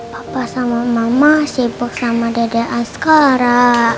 papa sama mama sibuk sama dada askara